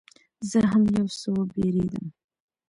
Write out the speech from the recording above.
زه هم یو څه وبېرېدم.